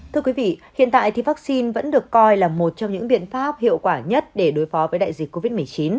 thưa quý vị hiện tại thì vaccine vẫn được coi là một trong những biện pháp hiệu quả nhất để đối phó với đại dịch covid một mươi chín